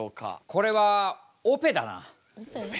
これはオペだな。